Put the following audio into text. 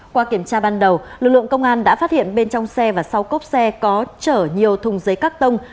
qua kiểm tra ban đầu lực lượng công an đã phát hiện bên trong xe và sau cốp xe có chở nhiều thùng giấy cắt tông